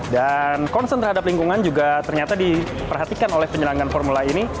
dan konsen terhadap lingkungan juga ternyata diperhatikan oleh penyelenggaraan formula ini